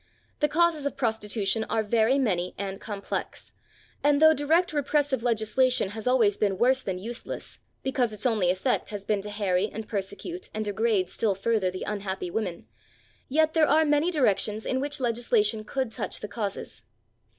The causes of prostitution are very many and complex, and though direct repressive legislation has always been worse than useless, because its only effect has been to harry and persecute and degrade still further the unhappy women, yet there are many directions in which legislation could touch the causes.